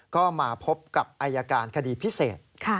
ก็มาพบกับอายการคดีพิเศษ